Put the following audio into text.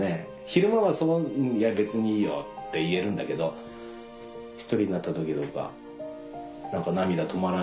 昼間は「別にいいよ」って言えるんだけど１人になった時とか何か涙止まら